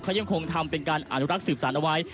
เขายังคงทำเป็นการอนุรักษ์สืบสารเอาไว้